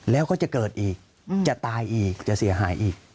แล้วก็จะเกิดอีกจะตายอีกจะเสียหายอีก